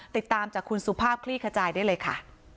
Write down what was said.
ติดตามจากคุณสุภาพคลี่ขจายได้เลยค่ะ